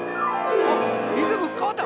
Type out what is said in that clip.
あっリズム変わった！